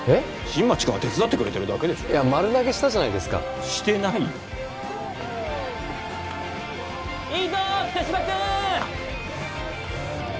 新町君は手伝ってくれてるだけでしょいや丸投げしたじゃないですかしてないよいいぞ北芝君！